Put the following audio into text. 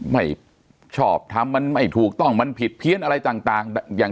ไม่ชอบทำมันไม่ถูกต้องมันผิดเพี้ยนอะไรต่างอย่าง